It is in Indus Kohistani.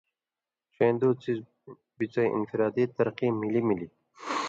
ݜَیں دُو څیزہۡ بڅَیں انفرادی ترقی مِلی ملی